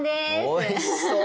おいしそう！